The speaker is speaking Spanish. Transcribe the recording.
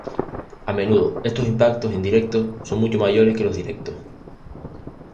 A menudo, estos impactos indirectos son mucho mayores que los directos.